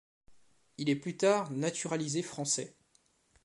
Il est plus tard naturalisé français.